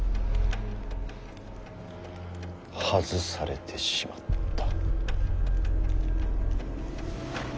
外されてしまった。